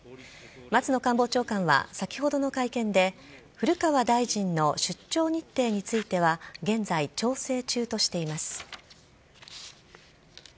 松野官房長官は先ほどの会見で古川大臣の出張日程については現在、調整中としています。